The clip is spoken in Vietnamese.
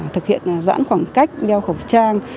thực hiện giãn khoảng cách đeo khẩu trang